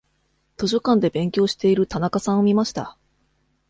図書館で勉強している田中さんを見ました。